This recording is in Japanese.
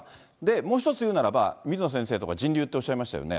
もう１つ言うならば、水野先生とか人流っておっしゃいましたよね。